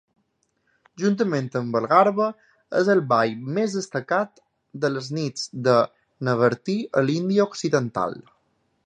Juntament amb el garba, és el ball més destacat de les nits de Navratri a l'Índia occidental.